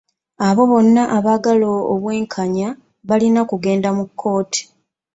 Abo bonna abagala obw'enkanya balina kugenda mu kkooti.